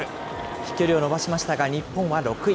飛距離を伸ばしましたが、日本は６位。